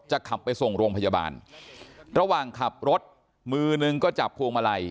ขับไปส่งโรงพยาบาลระหว่างขับรถมือนึงก็จับพวงมาลัย